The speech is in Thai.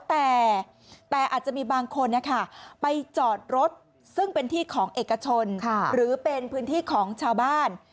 แต่อาจจะมีบางคนไปจอดรถซึ่งเป็นที่ของเอกชนหรือเป็นพื้นที่ของชาวบ้าน